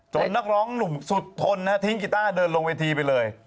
นักร้องหนุ่มสุดทนทิ้งกีต้าเดินลงเวทีไปเลย